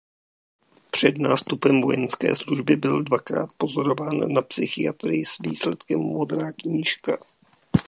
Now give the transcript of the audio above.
Před nástupem vojenské služby byl dvakrát pozorován na psychiatrii s výsledkem „modrá knížka“.